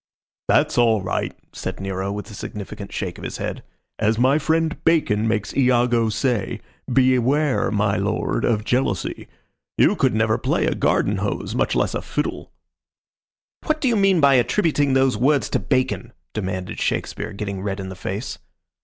"That's all right," said Nero, with a significant shake of his head. "As my friend Bacon makes Ingo say, 'Beware, my lord, of jealousy.' You never could play a garden hose, much less a fiddle." "What do you mean my attributing those words to Bacon?" demanded Shakespeare, getting red in the face.